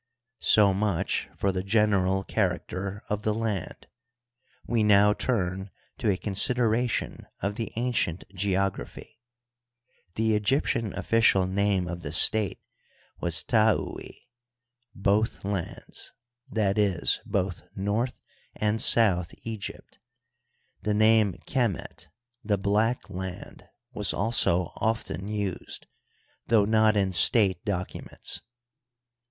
So much for the general character of the land. We now turn to a consideration of the ancient geography. The Egyptian official name of the state was Taut, " both lands " ^i. e., both North and South Egypt ; the name Qe^ met, " the black (land) " was also often used, though not in state documents.